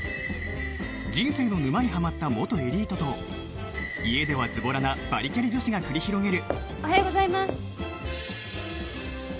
人生の沼にハマった元エリートと家ではズボラなバリキャリ女子が繰り広げる